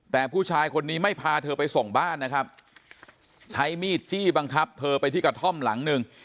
แต่ผู้ชายคนนี้ไม่พาเธอไปส่งบ้านนะครับใช้มีดจี้บังคับเธอไปที่กระท่อมหลังหนึ่ง